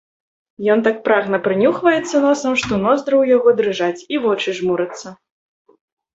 Ён так прагна прынюхваецца носам, што ноздры ў яго дрыжаць і вочы жмурацца.